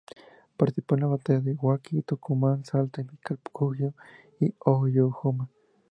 Participó en las batallas de Huaqui, Tucumán, Salta, Vilcapugio y Ayohuma.